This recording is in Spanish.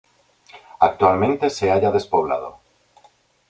Actualmente se halla despoblado.